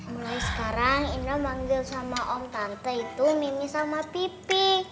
mulai sekarang indra manggil sama om tante itu mimi sama titi